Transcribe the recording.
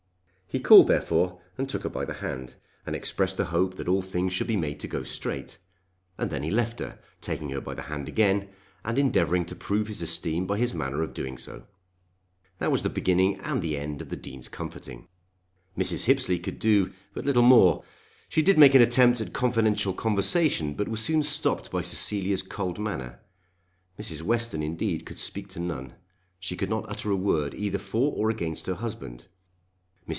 He called therefore and took her by the hand, and expressed a hope that all things should be made to go straight, and then he left her, taking her by the hand again, and endeavouring to prove his esteem by his manner of doing so. That was the beginning and the end of the Dean's comforting. Mrs. Hippesley could do but little more. She did make an attempt at confidential conversation, but was soon stopped by Cecilia's cold manner. Mrs. Western, indeed, could speak to none. She could not utter a word either for or against her husband. Mrs.